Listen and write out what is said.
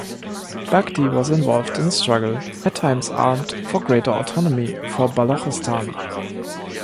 Bugti was involved in a struggle, at times armed, for greater autonomy for Balochistan.